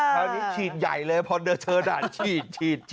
คราวนี้ฉีดใหญ่เลยพอเจอด่านฉีด